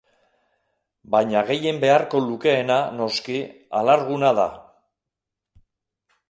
Baina gehien beharko lukeena, noski, alarguna da.